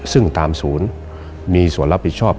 ซึ่งตามศูนย์มีส่วนรับผิดชอบ